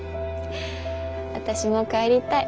私も帰りたい。